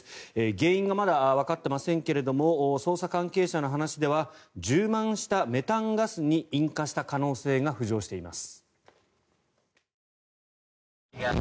原因がまだわかっていませんが捜査関係者の話では充満したメタンガスに引火した可能性が浮上しています。